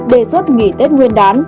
đề xuất nghỉ tết nguyên đán